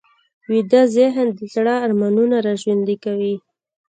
ویده ذهن د زړه ارمانونه راژوندي کوي